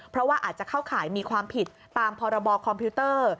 เพราะว่าอาจจะเข้าข่ายมีความผิดตามพรบคอมพิวเตอร์